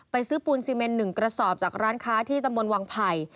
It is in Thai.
ซื้อปูนซีเมน๑กระสอบจากร้านค้าที่ตำบลวังไผ่